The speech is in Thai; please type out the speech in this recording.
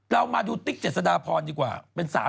เรามาดูติ๊กเจษฎาพรดิกว่า